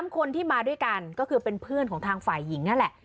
คนที่มาด้วยกันก็คือเป็นเพื่อนของทางฝ่ายหญิงนั่นแหละ